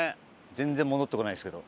全然戻ってこないですけど。